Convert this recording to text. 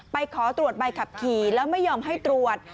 ขอตรวจใบขับขี่แล้วไม่ยอมให้ตรวจ